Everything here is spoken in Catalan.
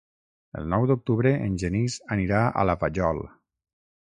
El nou d'octubre en Genís anirà a la Vajol.